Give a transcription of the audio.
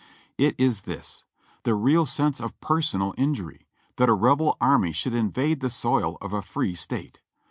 It is this : The real sense of personal injury, that a Rebel army should invade the soil of a free State.